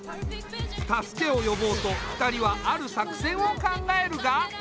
助けを呼ぼうと２人はある作戦を考えるが。